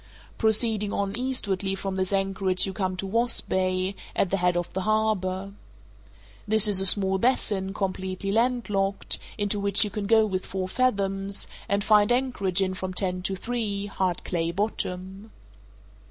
Proceeding on eastwardly from this anchorage you come to Wasp Bay, at the head of the harbour. This is a small basin, completely landlocked, into which you can go with four fathoms, and find anchorage in from ten to three, hard clay bottom.